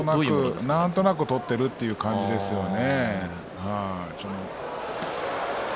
なんとなく取っているという感じですよね。